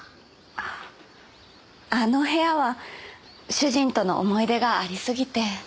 ああの部屋は主人との思い出がありすぎて。